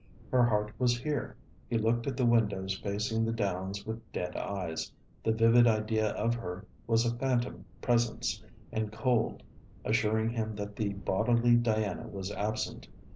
Her heart was here. He looked at the windows facing the Downs with dead eyes. The vivid idea of her was a phantom presence, and cold, assuring him that the bodily Diana was absent.